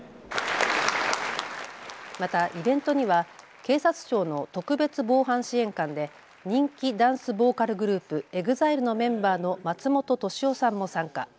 またイベントには警察庁の特別防犯支援官で人気ダンスボーカルグループ、ＥＸＩＬＥのメンバーの松本利夫さんも参加。